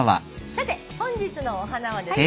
さて本日のお花はですね